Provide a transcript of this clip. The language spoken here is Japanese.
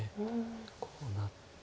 こうなって。